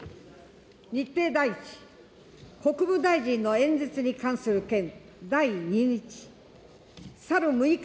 日程第１、国務大臣の演説に関する件、第２日。